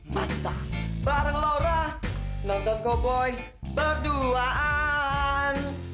manta bareng laura nonton cowboy berduaan